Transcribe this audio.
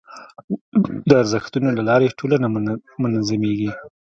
د ارزښتونو له لارې ټولنه منظمېږي.